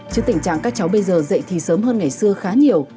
chứ tình trạng các cháu bây giờ dậy thì sớm hơn ngày xưa khá nhiều